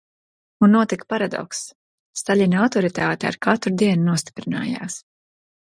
Un notika paradokss: Staļina autoritāte ar katru dienu nostiprinājās.